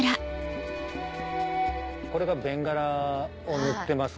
これがベンガラを塗ってます